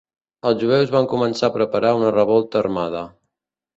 Els jueus van començar a preparar una revolta armada.